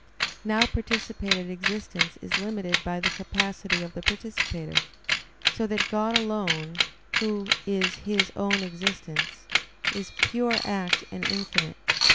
Now participated existence is limited by the capacity of the participator; so that God alone, Who is His own existence, is pure act and infinite.